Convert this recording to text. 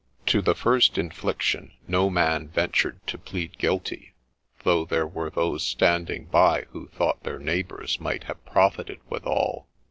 ' To the first infliction no man ventured to plead guilty, though there were those standing by who thought their neighbours might have profited withal.